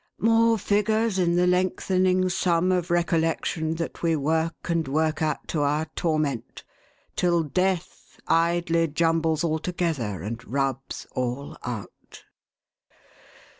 " More figures in the lengthening sum of recollection that we work and work at to our torment, till Death idly jumbles all together, and rubs all out.